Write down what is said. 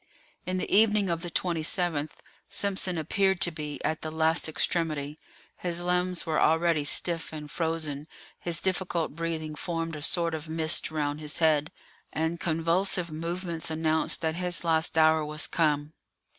In the evening of the 27th, Simpson appeared to be at the last extremity; his limbs were already stiff and frozen; his difficult breathing formed a sort of mist round his head, and convulsive movements announced that his last hour was come.